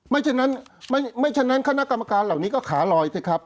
ฉะนั้นไม่ฉะนั้นคณะกรรมการเหล่านี้ก็ขาลอยสิครับ